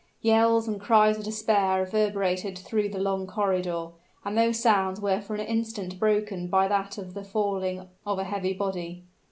Yells and cries of despair reverberated through the long corridor: and those sounds were for an instant broken by that of the falling of a heavy body.